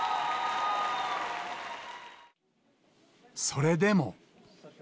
それでも。